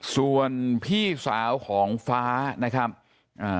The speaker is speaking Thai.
ส่วนพี่สาวของฟ้าบรรดิ